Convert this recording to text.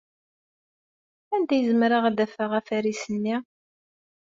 Anda ay zemreɣ ad d-afeɣ afaris-nni?